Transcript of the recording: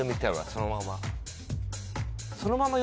そのまま？